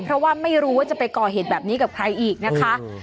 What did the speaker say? เพราะว่าไม่รู้ว่าจะไปก่อเหตุแบบนี้กับใครอีกนะคะ